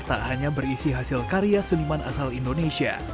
tak hanya berisi hasil karya seniman asal indonesia